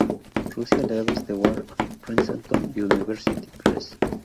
Russia Leaves the War en Princeton University Press.